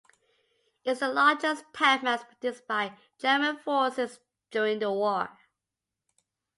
It was the largest tank mass-produced by German forces during the war.